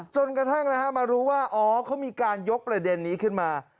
จนกระทั่งมารู้ว่าอ๋อเขามีการยกประเด็นนี้ขึ้นมา